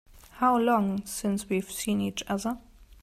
How long since we've seen each other?